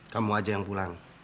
kamu aja yang pulang